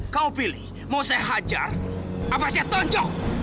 kamu pilih mau saya hajar apa saya tonjok